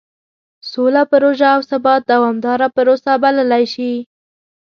سوله پروژه او ثبات دومداره پروسه بللی شي.